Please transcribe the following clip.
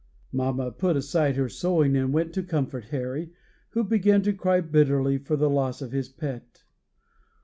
Mamma put aside her sewing, and went to comfort Harry, who began to cry bitterly for the loss of his pet.